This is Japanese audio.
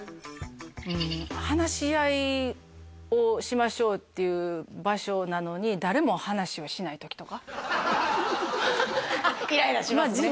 うん話し合いをしましょうっていう場所なのに誰も話をしない時とかあっイライラしますね